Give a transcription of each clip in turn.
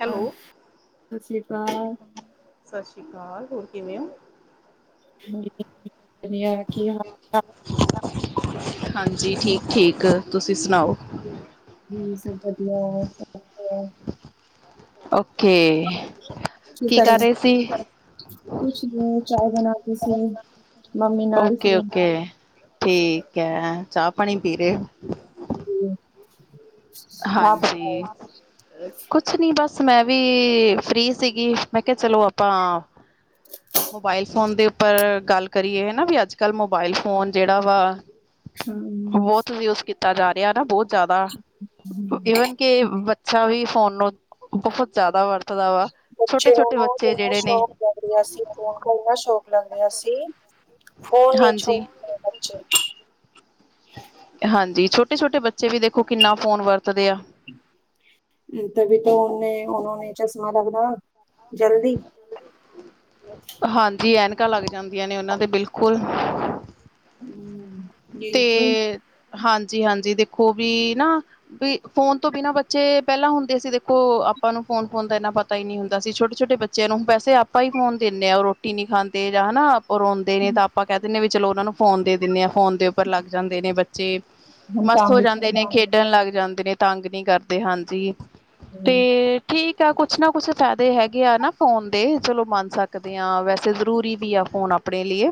Hello ਸਤਿ ਸ੍ਰੀ ਅਕਾਲ। ਸਤਿ ਸ਼੍ਰੀ ਅਕਾਲ ਹੋਰ ਕਿਵੇਂ ਓ? ਜੀ ਵਧੀਆ ਕੀ ਹਾਲ ਚਾਲ ਹਾਂਜੀ। ਠੀਕ- ਠੀਕ ਤੁਸੀਂ ਸੁਣਾਓ? ਜ ਸਭ ਵਧੀਆ ਸਫ ਓਕੇ। ਕੀ ਕਰ ਕੁਛ ਨ ਚਾਏ ਬਣਾ ਕੇ ਸੀ। ਮੰਮੀ ਨਾਲ ਓਕੇ‌। ਪੀਣ ਓਕੇ, ਠੀਕ ਹੈ। ਚਾਹ, ਪਾਣੀ ਪੀਰੇ ਜੀ। ਆਪ ਬਤਾਓ? ਹਾਂਜੀ ਕੁਛ ਨੀ ਬਸ ਮੈਂ ਵੀ ਫ੍ਰੀ ਸੀ ਗੀ, ਮੈਂ ਕਿਹਾ ਚਲੋ ਆਪਾਂ ਮੋਬਾਇਲ ਫੋਨ ਦੇ ਉੱਪਰ ਗੱਲ ਕਰੀਏ ਨਾ ਵੀ, ਅੱਜ- ਕੱਲ ਮੋਬਾਇਲ ਫੋਨ ਜਿਹੜਾ ਵਾ ਹਾਂ। ਬਹੁਤ ਯੂਜ ਕੀਤਾ ਜਾ ਰਿਹਾ ਨਾ, ਬਹੁਤ ਜ਼ਿਆਦਾ ਵਨ ਕਿ ਅੱਛਾ ਵੀ ਫੋਨ ਨੂੰ ਬਹੁਤ ਜ਼ਿਆਦਾ ਵਰਤ ਬੱਚੇ ਨੂੰ ਜੜਾ ਨੇ ਸ਼ੌਕ ਲਗ ਰਿਹਾ ਸੀ। ਇੰਨਾ ਸ਼ੌਕ ਲੱਗ ਰਿਹਾ ਸੀ। ਫੋਨਛ ਹਾਂਜੀ ਚ ਹਾਂਜੀ। ਛੋਟੇ ਛੋਟੇ ਬੱਚੇ ਵੀ ਦੇਖੋ ਕਿੰਨਾ ਫੋਨ ਵਰਤਦੇ ਆ। ਹਮ ਤ ਵੀ ਉਹਨੇ ਉਹ ਨੇ ਚਸ਼ਮਾ ਲੱਗਦਾ ਵ ਜਲਦੀ ਹਾਂਜੀ ਐਨਕਾਂ ਲੱਗ ਜਾਂਦੀਆਂ ਨੇ ਉਹਨਾਂ ਦੇ ਬਿਲਕੁਲ ਹਮ। ਯਹੀ ਤੇ ਤੋ ਹਾਂਜੀ ਜੀ ਹਾਂਜੀ ਦੇਖੋ ਵੀ ਨਾ ਫੋਨ ਤੋਂ ਬਿਨਾਂ ਬੱਚੇ ਪਹਿਲਾਂ ਹੁੰਦੇ ਸੀ ਦੇਖੋ ਉਹ ਆਪਾਂ ਨੂੰ ਫੋਨ ਦਾ ਇਨਾ ਪਤਾ ਹੀ ਨਹੀਂ ਹੁੰਦਾ ਸੀ ਛੋਟੇ ਛੋਟੇ ਬੱਚਿਆਂ ਨੂੰ ਵੈਸੇ ਆਪਾਂ ਹੀ ਫੋਨ ਦਿੰਦੇ ਆ ਰੋਟੀ ਨਹੀਂ ਖਾਂਦੇ ਜਾਂ ਹਨਾ ਉਹ ਰੋਂਦੇ ਨੇ ਤਾਂ ਆਪਾਂ ਕਹਿ ਕਿੰਨੇ ਵੀ ਚਲੋ ਉਹਨਾਂ ਨੂੰ ਫੋਨ ਦੇ ਦਿੰਦੇ ਆ ਫੋਨ ਦੇ ਪਰ ਲੱਗ ਜਾਂਦੇ ਨੇ ਬੱਚੇ ਹਮ ਮਸਤ ਕੰਮ ਹੋ ਜਾਂਦੇ ਨੇ ਵੀ ਖੇਡਣ ਲੱਗ ਜਾਂਦੇ ਨੇ ਤਾਂ ਅੰਗ ਨਹੀਂ ਕਰਦੇ ਹਨ ਜੀ ਤੇ ਠੀਕ ਕੁਛ ਨਾ ਕੁਛ ਫਾਇਦੇ ਹੈਗੇ ਆ ਨਾ ਫੋਨ ਦੇ ਚਲੋ ਮੰਨ ਸਕਦੇ ਹਾਂ ਵੈਸੇ ਜ਼ਰੂਰੀ ਵੀ ਆ ਫੋਨ ਆਪਣੇ ਲਈ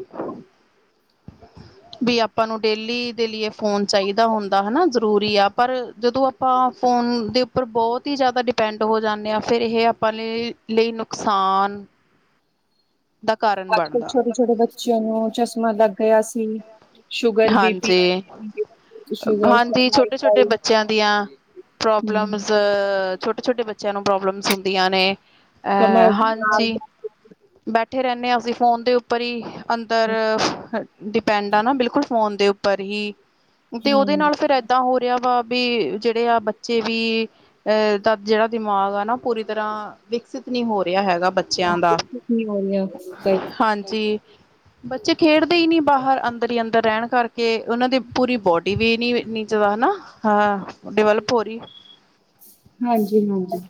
ਵੀ ਤੁਹਾਨੂੰ ਡੇਲੀ ਦੇ ਲਈਏ ਫੋਨ ਚਾਹੀਦਾ ਹੁੰਦਾ ਹਨਾ ਜਰੂਰੀ ਆ ਪਰ ਜਦੋਂ ਆਪਾਂ ਫੋਨ ਦੇ ਉੱਪਰ ਬਹੁਤ ਹੀ ਜਿਆਦਾ ਡਿਪੈਂਡ ਹੋ ਜਾਂਦੇ ਆ ਫਿਰ ਇਹ ਆਪਾਂ ਲੇ ਲਈ ਨੁਕਸਾਨ ਦਾ ਕਾਰਨ ਅੱਜ ਕਲ ਬਣਦਾ ਛੋਟੇ ਛੋਟੇ ਬੱਚਿਆਂ ਨੂੰ ਮਤਲਬ ਗਿਆ ਸੀ ਸ਼ੂਗਰ, ਬੀ ਪੀ, ਹਾਂਜੀ ਸ਼ੂਗਰ, ਹਾਂਜੀ ਛੋਟੇ ਛੋਟੇ ਸਰਵਾਈਕਲ ਬੱਚਿਆਂ ਦੀਆਂ ਪ੍ਰੋਬਲਮ ਹਮ, ਛੋਟੇ ਛੋਟੇ ਬੱਚਿਆਂ ਨੂੰ ਪ੍ਰੋਬਲਮਸ ਹੁੰਦੀਆਂ ਨੇ ਅਹ ਕਮਰ ਨਾਲ ਹਾਂਜੀ ਐ ਬੱਠੇਹਿੰਦੇਾਂ ਅਸੀਂ ਫੋਨ ਦੇ ਉਪਰ ਹੀ ਅੰਦਰ ਡਿਪੈਂਡ ਆ ਨਾ ਬਿਲਕੁਲ ਦੇ ਉੱਪਰ ਹੀ ਤੇ ਉਹਦੇ ਹੂੰ ਨਾਲ ਫਿਰ ਇਦਾਂ ਹੋ ਕਿਆ ਬਾਤ ਵੀ ਜਿਹੜੇ ਆ ਬੱਚੇ ਵੀ ਜਿਹੜਾ ਦਿਮਾਗ ਆ ਨਾ ਪੂਰੀ ਤਰ੍ਹਾਂ ਵਿਕਸਿਤ ਨਹੀਂ ਹੋ ਰਿਹਾ ਹੈਗਾ ਬੱਚਿਆਂ ਦਾ ਨਹੀਂ ਹੋ ਰਿਹਾ ਸਹੀ ਹਾਂਜੀ ਬੱਚੇ ਖੇਡਦੇ ਖੇਲਤੇ ਹੀ ਨਹੀਂ ਬਹਾਲ ਅੰਦਰ ਹੀ ਅੰਦਰ ਰਹਿਣ ਕਰ ਤੇ ਉਹਨਾਂ ਦੀ ਪੂਰੀ ਬ ਇਵੇ ਨੀਚਦਾ ਹਨਾ ਡਿਵੈਲਪ ਹੋਰੀ [inaudible] ਹਾਂਜੀ-ਹਾਂਜੀ,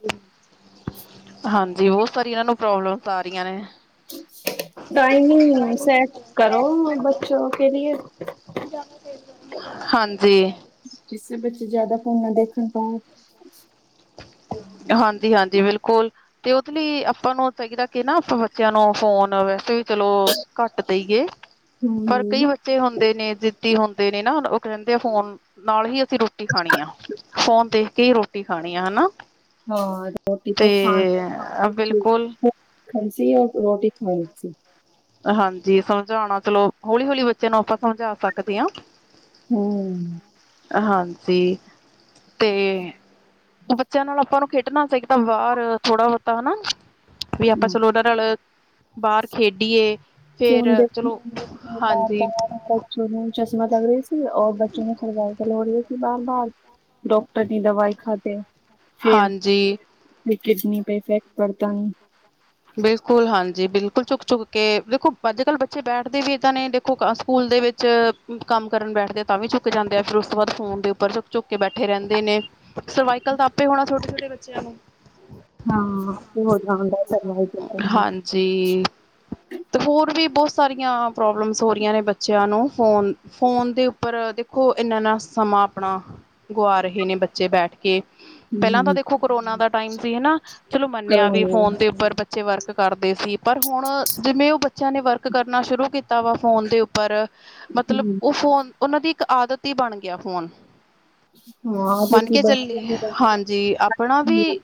ਹਾਂਜੀ ਬਹੁਤ ਸਾਰੀਆਂ ਨੂੰ ਪ੍ਰੋਬਲਮ ਆ ਰਹੀਆਂ ਨੇ, ਟਾਈਮਿੰਗਸ ਕਰੋ ਬੱਚੋ ਕੇ ਲੀਏ, ਹਾਂਜੀ, ਕਿਸੇ ਬੱਚੇ ਜਿਆਦਾ ਫੋਨਾ ਦੇਖਣ ਤੋਂ, ਹਾਂਜੀ, ਹਾਂਜੀ ਬਿਲਕੁਲ ਤੇ ਉਹਦੇ ਲਈ ਆਪਾਂ ਨੂੰ ਚਾਹੀਦਾ ਕਿ ਨਾ ਆਪਾਂ ਬੱਚਿਆਂ ਨੂੰ ਫੋਨ ਵੈਸੇ ਚਲੋ ਘੱਟ ਦੇਈਏ ਪਰ ਹੂੰ-ਹੂੰ ਕਈ ਬੱਚੇ ਹੁੰਦੇ ਨੇ ਜਿੱਦੀ ਹੁੰਦੇ ਨੇ, ਨਾ ਉਹ ਕਹਿੰਦੇ ਆ ਫੋਨ ਨਾਲ ਹੀ ਅਸੀਂ ਰੋਟੀ ਖਾਣੀ ਆ, ਫੋਨ ਦੇਖ ਕੇ ਹੀ ਰੋਟੀ ਰੋਟੀ ਖਾਣੀ ਆ ਹਨਾ। ਹਾ, ਰੋਟੀ ਤੇ ਤੋਂ ਖਾਣ ਅਸੀ ਬਿਲਕੁਲ ਹੁਣ ਰੋਟੀ ਖਾਣੀ ਸੀ। ਹਾਂਜੀ ਸਮਝਾਣਾ ਚਲੋ, ਹੌਲੀ ਹੌਲੀ ਬੱਚੇ ਨੂੰ ਆਪਾਂ ਸਮਝਾ ਸਕਦੇ ਹਾਂ। ਹੂੰ, ਹਾਂਜੀ, ਤੇ [unintelligible] ਬੱਚਿਆਂ ਨਾਲ ਆਪਾਂ ਨੂੰ ਖੇਡਣਾ ਚਾਹੀਦਾ ਬਾਹਰ ਥੋੜਾ ਬਹੁਤਾ ਹਨਾ। ਬਈ ਆਪਾਂ ਚਲ ਉਹਨਾਂ ਨਾਲ ਬਾਹਰ ਖੇਡੀਏ ਫੇਰ ਫੋਨ ਦੇਖ ਚਲੋ ਬਾਰ ਹਾਂਜੀ ਬਾਰ ਬੱਚੇ ਨੂੰ ਚਸ਼ਮਾ ਲੱਗ ਰਹੀ ਸੀ ਔਰ ਬੱਚੇ ਨੂੰ ਸਮਝਾਣ ਦੀ ਲੋੜ ਐ, ਬਾਰ-ਬਾਰ ਡਾਕਟਰ ਦੀ ਦਵਾਈ ਖਾਧੇ ਹਾਂਜੀ, ਕਿਡਨੀ ਪੇ ਇਫੈਕਟ ਪੜਤਾ ਹੈ। ਬਿਲਕੁਲ ਹਾਂਜੀ ਬਿਲਕੁਲ ਚੁੱਕ ਚੁੱਕ ਕੇ ਦੇਖੋ, ਅੱਜ ਕੱਲ ਬੱਚੇ ਬੈਠਦੇ ਵੀ ਏਦਾਂ ਨੇ, ਦੇਖੋ ਸਕੂਲ ਦੇ ਵਿੱਚ ਕੰਮ ਕਰਨ ਬੈਠਦੇ ਆ, ਤਾਂ ਵੀ ਚੁੱਕ ਜਾਂਦੇ ਆ, ਫਿਰ ਉਸ ਤੋਂ ਬਾਅਦ ਫੋਨ ਦੇ ਉੱਪਰ ਚੁੱਕ ਚੁੱਕ ਕੇ ਬੈਠੇ ਰਹਿੰਦੇ ਨੇ, ਸਰਵਾਈਕਲ ਤਾਂ ਆਪੇ ਹੋਣਾ ਛੋਟੇ-ਛੋਟੇ ਬੱਚਿਆਂ ਨੂੰ। ਹਾਂ ਹੋ ਜਾਂਦਾ ਕਦੇ ਹਾਂਜੀ ਤੇ ਹੋਰ ਵੀ ਬਹੁਤ ਸਾਰੀਆਂ ਪ੍ਰੋਬਲਮਸ ਹੋ ਰਹੀਆਂ ਨੇ ਬੱਚਿਆਂ ਨੂੰ। ਫੋਨ-ਫੋਨ ਦੇ ਉੱਪਰ ਦੇਖੋ, ਇੰਨਾ ਏਨਾ ਸਮਾਂ ਆਪਣਾ ਗੁਆ ਰਹੇ ਨੇ ਬੱਚੇ ਬੈਠ ਕੇ ਪਹਿਲਾਂ ਤਾਂ ਦੇਖੋ ਕਰੋਨਾ ਦਾ ਟਾਈਮ ਸੀ, ਹਨਾ ਚਲੋ ਮੰਨਿਆ ਵੀ ਫੋਨ ਦੇ ਉੱਪਰ ਬੱਚੇ ਵਰਕ ਕਰਦੇ ਸੀ, ਪਰ ਹੁਣ ਜਿਵੇਂ ਉਹ ਬੱਚਿਆਂ ਨੇ ਵਰਕ ਕਰਨਾ ਸ਼ੁਰੂ ਕੀਤਾ। ਫੋਨ ਦੇ ਉੱਪਰ ਮਤਲਬ ਉਹ ਫੋਨ ਉਹਨਾਂ ਦੀ ਇੱਕ ਆਦਤ ਹੀ ਬਣ ਗਿਆ ਫੋਨ ਮੰਨ ਕੇ ਚੱਲੀਏ ਹਾਂਜੀ। ਤੇ ਆਪਣਾ ਵੀ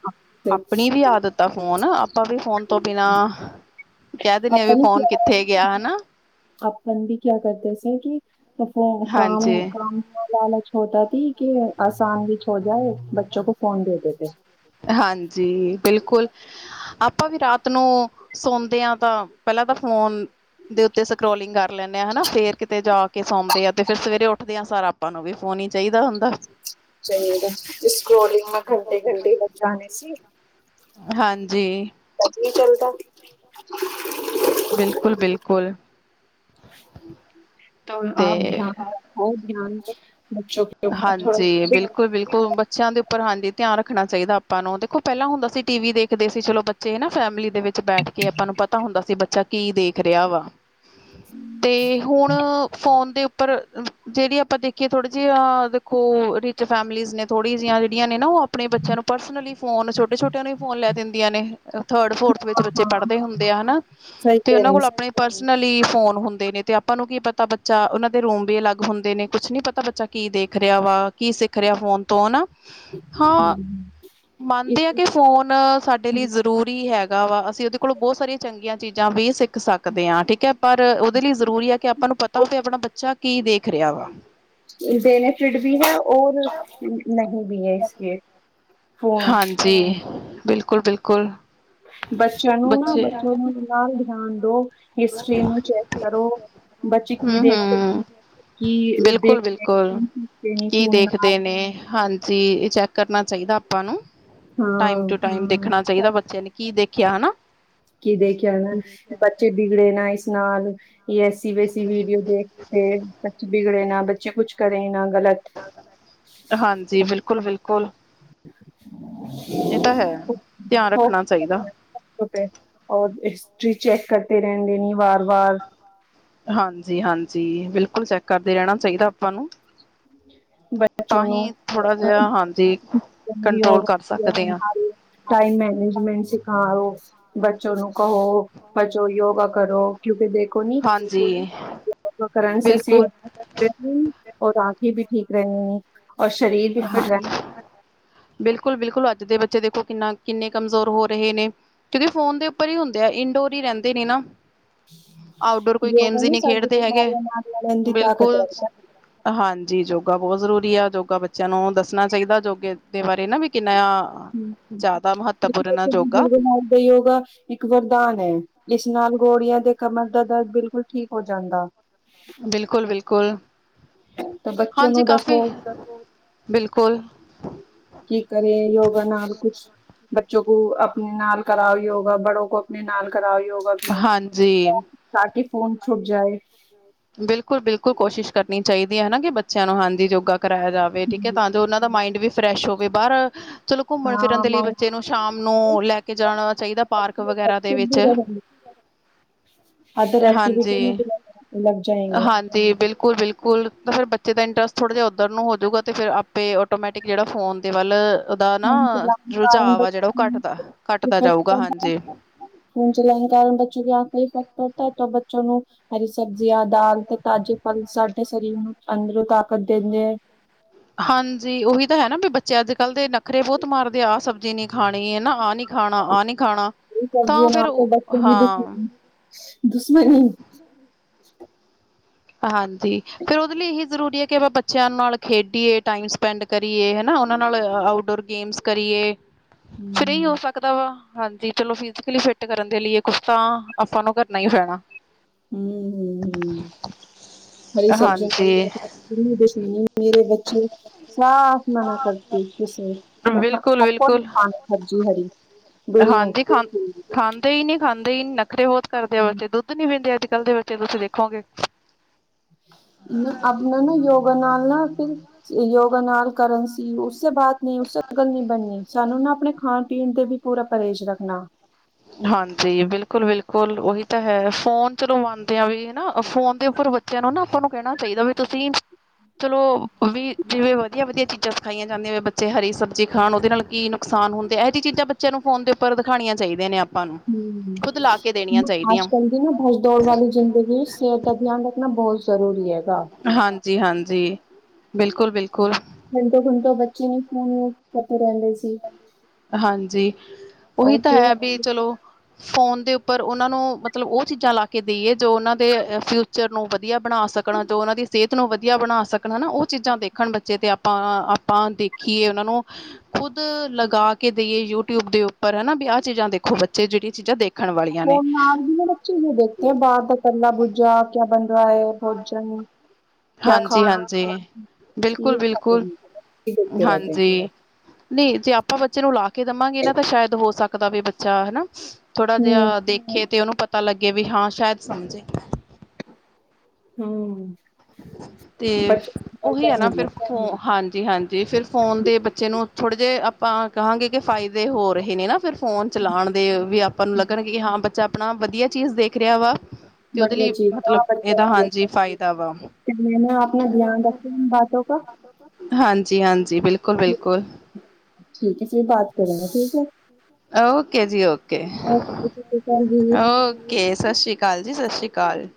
ਆਪਣੀ ਵੀ ਆਦਤ ਫੋਨ ਆਪਾਂ ਵੀ ਫੋਨ ਤੋਂ ਬਿਨਾ ਕਹਿ ਦਿੰਦੇ ਆ ਵੀ ਫੋਨ ਕਿੱਥੇ ਗਿਆ ਹਨਾ। ਕਿਆ ਕਰਦੇੇ ਸੀ ਕਿ ਕਮ ਕਮ ਹਾਂਜੀ, ਕਾ ਲਾਲਚ ਹੋਤਾ ਕਿ ਆਸਾਨ ਵਿੱਚ ਹੋ ਜਾਏ ਬੱਚੋ ਕੋ ਫ਼ੋਨ ਦੇਦੇੇ ਹਾਂਜੀ ਬਿਲਕੁਲ ਆਪਾਂ ਵੀ ਰਾਤ ਨੂੰ ਸੌਦੇ ਆ ਤਾਂ ਪਹਿਲਾਂ ਤਾਂ ਫੋਨ ਦੇ ਉੱਤੇ ਸਕਰੋਲਿੰਗ ਕਰ ਲੈਂਦੇ ਆ, ਹਨਾ ਫੇਰ ਕਿਤੇ ਜਾ ਕੇ ਸੌਂਦੇ ਆ ਤੇ ਫਿਰ ਸਵੇਰੇ ਉੱਠਦੇ ਆ, ਸਰ ਆਪਾਂ ਨੂੰ ਵੀ ਫੋਨ ਹੀ ਚਾਹੀਦਾ ਹੁੰਦਾ। ਚਾਹੀਦਾ, ਸਕਰੋਲਿੰਗ ਘੰਟੇ ਘੰਟੇ [unintelligible] ਹਾਂਜੀ ਕੀ ਚੱਲਦਾ ਬਿਲਕੁਲ ਬਿਲਕੁਲ ਤੋ, ਤੇ ਆਪ ਧਿਆਨ ਹਾਂਜੀ ਬਿਲਕੁਲ ਬਿਲਕੁਲ ਬੱਚਿਆਂ ਦੇ ਉੱਪਰ ਹਾਂਜੀ ਧਿਆਨ ਰੱਖਣਾ ਚਾਹੀਦਾ ਆਪਾਂ ਨੂੰ, ਦੇਖੋ ਪਹਿਲਾਂ ਹੁੰਦਾ ਸੀ ਟੀ ਵੀ ਦੇਖਦੇ ਸੀ ਚਲੋ ਬੱਚੇ ਹਨਾ ਫੈਮਿਲੀ ਦੇ ਵਿੱਚ ਬੈਠ ਕੇ, ਆਪਾਂ ਨੂੰ ਪਤਾ ਹੁੰਦਾ ਸੀ ਬੱਚਾ ਕੀ ਦੇਖ ਕਰਿਆ ਵਾ [inaudible] ਫੋਨ ਦੇ ਉੱਪਰ ਜਿਹੜੀ ਆਪਾਂ ਦੇਖੀਏ ਥੋੜੀ ਜਿਹੀ ਆ ਦੇਖੋ ਰਿਚ ਫੈਮਲੀਜ਼ ਨੇ ਥੋੜੀ ਜਿਹੀਆ, ਜਿਹੜੀਆਂ ਨੇ ਨਾ ਉਹ ਆਪਣੇ ਬੱਚਿਆਂ ਨੂੰ ਪਰਸਨਲੀ ਫੋਨ ਛੋਟੇ ਛੋਟਿਆਂ ਨੂੰ ਹੀ ਫੋਨ ਲੈ ਦਿੰਦੀਆਂ, ਨੇ ਥਰਡ ਫੋਰਥ ਵਿੱਚ ਬੱਚੇ ਪੜ੍ਹਦੇ ਹੁੰਦੇ ਆ ਹਨਾ। ਤੇ, ਉਹਨਾਂ ਕੋਲ ਆਪਣੇ ਪਰਸਨਲੀ ਫੋਨ ਹੁੰਦੇ ਹੁੰਦੇ ਨੇ ਤੇ ਆਪਾਂ ਨੂੰ ਕੀ ਪਤਾ ਬੱਚਾ ਉਹਨਾਂ ਦੇ ਰੂਮ ਵੀ ਅਲੱਗ ਹੁੰਦੇ ਨੇ, ਕੁਛ ਨੀ ਪਤਾ ਬੱਚਾ ਕੀ ਦੇਖ ਰਿਹਾ ਵਾ, ਕੀ ਸਿੱਖ ਰਿਹਾ ਫੋਨ ਤੋਂ ਹਨਾ ਹਾਂ ਮੰਨਦੇ ਆ ਕਿ ਫੋਨ ਸਾਡੇ ਲਈ ਜ਼ਰੂਰੀ ਹੈਗਾ ਵਾ, ਅਸੀਂ ਉਹਦੇ ਕੋਲੋਂ ਬਹੁਤ ਸਾਰੀਆਂ ਚੰਗੀਆਂ ਚੀਜ਼ਾਂ ਵੀ ਸਿੱਖ ਸਕਦੇ ਆ, ਠੀਕ ਹੈ ਪਰ ਉਹਦੇ ਲਈ ਜ਼ਰੂਰੀ ਆ ਕਿ ਆਪਾਂ ਨੂੰ ਪਤਾ ਤਾ ਫਿਰ ਆਪਣਾ ਬੱਚਾ ਕੀ ਦੇਖ ਰਿਹਾ ਵਾ। ਬੇਨਫਿਡ ਵੀ ਹੈ ਔਰ ਨਹੀਂ ਬੀ ਆਈ ਸੀ ਏ ਹਾਂਜੀ ਬਿਲਕੁਲ ਕੁੱਲ ਬੱਚਿਆਂ ਨੂੰ ਨਾ ਬੱਚਿਆਂ ਨੂੰ ਇੰਨਾ ਧਿਆਨ ਦੋ, ਹਿਸਟਰੀ ਨੂੰ ਚੈੱਕ ਕਰੋ, ਬੱਚੇ ਕੀ ਹਮ ਦੇਖਦੇ ਹਮ ਕੀ ਬਿਲਕੁਲ ਬਿਲਕੁਲ ਦੇਖਦੇ ਨੇ ਫੋਨ ਨਾਲ ਜੀ ਇਹ ਚੈੱਕ ਕਰਨਾ ਚਾਹੀਦਾ ਆਪਾ ਨੂੰ। ਟਾਈਮ ਹਾਂ ਟੂ ਟਾਈਮ ਦੇਖਣਾ ਚਾਹੀਦਾ, ਬੱਚੇ ਨੇ ਕੀ ਦੇਖ ਕਿਆ ਹਨਾਂ? ਕੀ ਦੇਖਿਆ ਹਨਾ, ਬੱਚੇ ਬਿਗੜੇ ਨਾ ਇਸ ਨਾਲ। ਇਹ ਐਸੀ ਵੇਸੀ ਵੀਡੀਓ ਦੇਖ ਕੇ ਬੱਚੇ ਬਿਗੜੇ ਨਾ ਬੱ ਜਾਂ ਕੁਛ ਕਰੇ ਨਾ। ਹਾਂਜੀ ਬਿਲਕੁਲ-ਬਿਲ ਕੁਲ। ਇਹ ਤਾਂ ਹੈ। ਧਿਆਨ ਰੱਖਣਾ ਚਾਹੀਦਾ। ਚੈੱਕ ਕਰਤੇ ਰਹਿਣ ਏਨੀ ਵਾਰ ਵਾਰ। ਹਾਂਜੀ ਹਾਂਜੀ ਬਿਲਕੁਲ ਚੈੱਕ ਕਰਦੇ ਰਹਿਣਾ ਚਾਹੀਦਾ ਆਪਾਂ ਨੂੰ। ਤਾਂ ਬੱਚੋ ਹੀ [inaudible] ਥੋੜਾ ਜਿਹਾ ਹਾਂਜੀ ਕੰਟਰੋਲ ਕਰ ਸਕਦੇ ਹਾਂ ਟਾਈਮ ਮੈਨੇਜਮੈਂਟ ਸਿਖਾਓ। ਬੱਚੋ ਨੂੰ ਕਹੋ, ਬਚੋ ਯੋਗਾ ਕਰੋ ਕਿਉਂਕਿ ਦੇਖੋ ਨਹੀਂ ਹਾਂਜੀ ਯੋਗਾ ਕਰਨ ਸੇ ਸਿਹ ਬਿਲਕੁਲ ਔਰ ਆਪ ਵੀ ਠੀਕ ਰਹਨੀ ਹਾਂਜੀ। ਬਿਲਕੁਲ-ਬਿਲਕੁਲ ਅੱਜ ਦੂਜੇ ਬੱਚੇ ਦੇਖੋ ਕਿੰਨਾ ਕਿੰਨੇ ਕਮਜ਼ੋਰ ਹੋ ਰਹੇ ਨੇ। ਕਿਉਂਕਿ ਫੋਨ ਦੇ ਉੱਪਰ ਹੀ ਹੁੰਦੇ ਆ, ਇਨਡੋਰ ਹੀ ਰਹਿੰਦੇ ਨੇ ਨਾ। ਆਊਟਡੋਰ ਕੋਈ ਗੇਮਸ ਹੀ ਨਹੀਂ ਸਾਡੀ ਖੇਡਦੇ ਹੈਗੇ ਬਿਮਾਰੀਆਂ ਨਾਲ ਲੜਨ ਦੀ ਤਾਕਤ ਬਿਲਕੁਲ। ਰੱਖਦਾ ਹਾਂਜੀ, ਯੋਗਾ ਬਹੁਤ ਜ਼ਰੂਰੀ ਦੀਆਂ ਯੋਗਾ ਬ ਬੱਚਿਆਂ ਨੂੰ ਦੱਸਣਾ ਚਾਹੀਦਾ ਜੋਗੇ ਦੇ ਬਾਰੇ ਨਾ ਵੀ ਕਿ ਆ ਯੋਗਾ ਨਾਲ ਯੋਗਾ ਇੱਕ ਵਰਦਾਨ ਐ। ਇਸ ਨਾਲ ਗੋੜੀਆਂ ਦੇ ਕਮਰ ਦਾ ਦਰਦ ਬਿਲਕੁਲ ਠੀਕ ਹੋ ਜਾਂਦਾ। ਬਿਲਕੁਲ-ਬਿਲਕੁਲ। ਤਾਂ ਬੱਚੋ ਨੂੰ ਦੱਸੋ ਬਿਲਕੁਲ ਕਿ ਕਰੇ ਯੋਗਾ ਨਾਲ ਕੁਛ ਬੱਚੋ ਅਪਣੇ ਨਾਲ ਕਰਾਉ ਯੋਗਾ ਬੜੋ ਕੋ ਆਪਣੇ ਨਾਲ ਕਰਾਉ ਯੋਗਾ ਵੀ ਹਾਂਜੀ [unintelligible] ਤਾਂ ਕਿ ਫੋਨ ਛੁੱਟ ਜਾਏ। ਬਿਲਕੁਲ-ਬਿਲਕੁਲ ਕੋਸ਼ਿਸ਼ ਕਰਨੀ ਚਾਹੀਦੀ ਹੈ, ਹੈ ਨਾ ਕਿ ਬੱਚਿਆਂ ਨੂੰ ਹਾਂਜੀ ਯੋਗਾ ਕਰਇਆ ਜਾਵੇ। ਠੀਕ ਹੈ ਤਾਂ ਜੋ ਉਹਨਾਂ ਦਾ ਮਾਇੰਡ ਵੀ ਫਰੈਸ਼ ਹੋਵੇ। ਪਰ ਚਲੋ ਘੁੰਮਣ ਫਿਰਨ ਦੇ ਲਈ ਬੱਚੇ ਨੂੰ ਸ਼ਾਮ ਨੂੰ ਲੈ ਕੇ ਜਾਣਾ ਚਾਹੀਦਾ ਪਾਰਕ ਵਗੈਰਾ ਦੇ ਵਿੱਚ ਹਾਂਜੀ, ਹਾਂਜੀ, ਬਿਲਕੁਲ-ਬਿਲਕੁਲ। ਤਾਂ ਫਿਰ ਬੱਚੇ ਦਾ ਇੰਟਰਸਟ ਥੋੜ੍ਹਾ ਜਿਹਾ ਉਧਰ ਨੂੰ ਹੋਜੂਗਾ ਫਿਰ ਆਪੇ ਆਟੋਮੈਟਿਕ ਜਿਹੜਾ ਫੋਨ ਦੇ ਵੱਲ ਉਹਦਾ ਨਾ ਫੋਨ ਚਲਾਵੇ ਕੇ ਕਾਰਣ ਰੁਝਾਵ ਆ ਜਿਹੜਾ ਉਹ ਘੱਟਦਾ ਘੱਟਦਾ ਬੱਚੇ ਜਾਊਗਾ ਹਾਂਜੀ [inaudible] ਫੋਨ ਚਲਾਨੇ ਕੇ ਕਾਰਣ ਬੱਚੇ ਕੀ ਆਂਖ ਹੋ ਤੋਂ ਬੱਚੋਂ ਨੂੰ ਹਰੀ ਸਬਜ਼ੀਆਂ, ਦਾਲ ਤੇ ਤਾਜ਼ੇ ਫ਼ਲ ਸਾਡੇ ਸਰੀਰ ਨੂੰ ਅੰਦਰੋਂ ਤਾਕਤ ਦੇਂਦੇ ਏ। ਹਾਂਜੀ ਉਹੀ ਤਾਂ ਹੈ, ਨਾ ਵੀ ਬੱਚੇ ਅੱਜ ਕੱਲ੍ਹ ਦੇ ਨਖਰੇ ਬਹੁਤ ਮਾਰਦੇ ਆ, ਆਹ ਸਬਜ਼ੀ ਨੀ ਖਾਣੀ ਹੈ ਨਾ, ਆਹ ਨੀ ਖਾਣਾ ਆਹ ਨੀ ਖਾਣਾ ਤਾਂ ਸਬਜ਼ੀਆਂ ਫਿਰ ਨਾਲ ਤੇ ਉਹ ਬੱਚਿਆਂ ਦੀ ਹਾਂ ਦੁਸ਼ਮਨ ਦੁਸ਼ਮਣੀ ਹਾ ਜੀ ਫੇਰ ਉਹਦੇ ਲਈ ਇਹੀ ਜ਼ਰੂਰੀ ਐ ਕਿ ਆਪਾਂ ਬੱਚਿਆਂ ਨਾਲ ਖੇਡੀਏ ਟਾਈਮ ਸਪੈਂਡ ਕਰੀਏ ਹਨਾ, ਉਹਨਾਂ ਨਾਲ ਆਊਟਡੋਰ ਗੇਮਸ ਕਰੀਏ। ਫਰੀ ਹੋ ਸਕਦਾ ਵਾ। ਹਾਂਜੀ, ਚਲੋ ਫਿਜ਼ਕਲੀ ਫਿਟ ਕਰਨ ਦੇ ਲਈ ਕੁਛ ਤਾਂ ਆਪਾਂ ਨੂੰ ਕਰਨਾ ਹੀ ਪੈਣਾ। ਹੂੰ-ਹੂੰ-ਹੂੰ, ਹਰੀ ਸਬਜ਼ੀਆਂ ਹਾਂਜੀ [unintelligible] ਮੇਰੇ ਬੱਚੇ ਸਾਫ਼ ਮਨਾ ਕਰਦੇ ਬਿਲਕੁਲ ਬਿਲਕੁਲ ਹਾਂਜੀ ਖਾਂ [unintelligible] ਖਾਂਦੇ [unintelligible] ਨਖਰੇ ਬਹੁਤ ਕਰਦੇ ਆ ਬੱਚੇ ਦੁੱਧ ਨੀ ਪੀਂਦੇ ਅੱਜ ਕੱਲ ਦੇ ਬੱਚੇ ਤੁਸੀਂ ਦੇਖੋਗੇ। ਆਪਣਾ ਨੇ ਨਾ ਯੋਗਾ ਨਾਲ ਨਾ ਫਿਰ ਯੋਗਾ ਨਾਲ ਕਰਨ ਸੀ ਉਸ ਬਾਤ ਨਹੀਂ ਉਸੇ ਗੱਲ ਨਹੀਂ ਬਣਨੀ। ਸਾਨੂੰ ਨਾ ਆਪਣੇ ਖਾਣ ਪੀਣ ਤੇ ਵੀ ਪੂਰਾ ਪਰਹੇਜ਼ ਰੱਖਣਾ। ਹਾਂਜੀ, ਬਿਲਕੁਲ ਬਿਲਕੁਲ ਉਹੀ ਤਾਂ ਹੈ ਫੋਨ ਚਲੋ ਮੰਨਦੇ ਆ ਵੀ ਹਨਾ ਫੋਨ ਦੇ ਉੱਪਰ ਬੱਚਿਆਂ ਨੂੰ ਨਾ ਆਪਾਂ ਨੂੰ ਕਹਿਣਾ ਚਾਹੀਦਾ ਵੀ ਤੁਸੀਂ ਚਲੋ ਵੀ ਜਿਵੇਂ ਵਧੀਆ-ਵਧੀਆ ਚੀਜ਼ਾਂ ਸਿਖਾਈਆਂ ਜਾਂਦੀਆਂ ਬੱਚੇ ਹਰੀ ਸਬਜ਼ੀ ਖਾਣ ਉਹਦੇ ਨਾਲ ਕੀ ਨੁਕਸਾਨ ਹੁੰਦੇ ਇਹੋ ਜਿਹੀ ਚੀਜ਼ਾਂ ਬੱਚਿਆਂ ਨੂੰ ਫੋਨ ਦੇ ਉੱਪਰ ਦਿਖਾਣੀਆਂ ਚਾਹੀਦੀਆ ਨੇ ਆਪ ਹੂੰ, ਅੱਜ ਕੱਲ ਦੀ ਨਾ ਭੱਜ ਦੌੜ ਵਾਲੀ ਜ਼ਿੰਦਗੀ ਵਿੱਚ ਸਿਹਤ ਦਾ ਧਿਆਨ ਰੱਖਣਾ ਬਹੁਤ ਜ਼ਰੂਰੀ ਹੈਗਾ। ਜੀ ਹਾਂਜੀ, ਬਿਲਕੁਲ-ਬਿਲਕੁਲ। ਘੰਟੇ-ਘੰਟੇ ਬੱਚੇ ਨੇ ਫੋਨ ਲੱਗੇ ਰਹਿੰਦੇ ਸੀ। ਹਾਂਜੀ, ਉਹੀ ਉਹ ਤਾਂ ਫਿਰ ਹੈ ਵੀ ਚਲੋ। ਫ਼ੋਨ ਦੇ ਉੱਪਰ ਉਹਨਾਂ ਨੂੰ ਮਤਲਬ ਉਹ ਚੀਜ਼ਾਂ ਲਾ ਕੇ ਦੇਈਏ, ਜੋ ਉਹਨਾਂ ਦੇ ਫਿਊਚਰ ਨੂੰ ਵਧੀਆ ਬਣਾ ਸਕਣ ਜੋ ਉਹਨਾਂ ਦੀ ਸਿਹਤ ਨੂੰ ਵਧੀਆ ਬਣਾ ਸਕਣ ਹਨਾ, ਉਹ ਚੀਜ਼ਾਂ ਦੇਖਣ ਬੱਚੇ ਤੇ ਆਪਾਂ ਆਪਾਂ ਦੇਖੀਏ ਉਹਨਾਂ ਨੂੰ ਖੁਦ ਲਗਾ ਕੇ ਦੇਈਏ ਯੂਟਿਊਬ ਦੇ ਉਪਰ ਹਨਾ ਵੀ ਆਹ ਚੀਜ਼ਾਂ ਦੇਖੋ ਬੱਚੇ ਜਿਹੜੀਆਂ ਚੀਜ਼ਾਂ ਦੇਖ ਉਹ ਨਾਲ ਵੀ ਬੱਚੇ ਦੇਖ ਆ ਬਾਹਰ ਦਾ ਕੱਲਾ ਬੂੱਜਾ ਕਿਆ ਬਣ ਭੋਜਨ ਕਿਆ ਖਾਣਾ ਹਾਂਜੀ-ਹਾਂਜੀ, ਬਿਲਕੁਲ-ਬਿਲਕੁਲ। [unintelligible] ਹਾਂਜੀ ਨਹੀਂ ਤੇ ਆਪਾਂ ਬੱਚੇ ਨੂੰ ਲਾ ਦੇਵਾਂਗੇ ਨਾ ਤਾਂ ਸ਼ਾਇਦ ਹੋ ਸਕਦਾ ਵੀ ਬੱਚਾ ਚਾਅ ਹਨਾ, ਥੋੜਾ ਹਮ ਜਿਹਾ ਦੇਖੇ ਤੇ ਉਹਨੂੰ ਪਤਾ ਲੱਗੇ ਅੱਗੇ ਵੀ ਹਾਂ ਸ਼ਾਇਦ ਸਮਝੇ, ਹਾਂ, ਤੇ ਉਹੀ ਐ ਨਾ ਫਿਰ ਹੂੰ ਹਾਂਜੀ-ਹਾਂਜੀ, ਫਿਰ ਫੋਨ ਦੇ ਬੱਚੇ ਨੂੰ ਥੋੜੇ ਜਿਹੇ ਆਪਾਂ ਕਹਾਂਗੇ ਕਿ ਫਾਇ ਦੇ ਹੋ ਰਹੇ ਨੇ ਨਾ ਫਿਰ ਫੋਨ ਚਲਾਣ ਦੇ ਵੀ ਆਪਾਂ ਨੂੰ ਲੱਗਣ ਕਿ ਹਾਂ ਬੱਚਾ ਆਪਣਾ ਵਧੀਆ ਚੀਜ਼ ਦੇਖ ਰਿਹਾ ਵਾ। ਤੇ ਉਹਦੇ ਲਈ ਮਤਲਬ ਇਹਦਾ ਹਾਂਜੀ ਫਾਇਦਾ ਵਾ। ਤੇ ਮੈਂ ਨਾ ਆਪਣਾ ਧਿਆਨ ਰੱਖਿਆ ਬਾਤੋਂ ਕਾ ਹਾਂਜੀ-ਹਾਂਜੀ ਜੀ ਬਿਲਕੁਲ-ਬਿਲਕੁਲ, ਠੀਕ ਏ, ਓਕੇ ਜੀ ਓਕੇ, ਓਕੇ ਸਤਿ ਸ੍ਰੀ ਅਕਾਲ, ਜੀ ਸਤਿ ਸ਼੍ਰੀ ਅਕਾਲ,